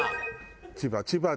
千葉？